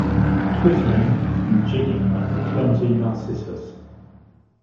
Twittering, and jigging like a clumsy Narcissus.